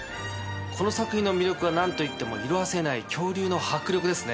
この作品の魅力は何といっても色あせない恐竜の迫力ですね。